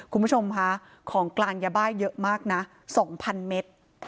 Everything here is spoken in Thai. คุณผู้ชมคะของกลางยาบ้าเยอะมากนะ๒๐๐เมตร